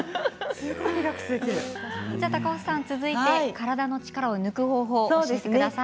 体の力を抜く方法を教えてください。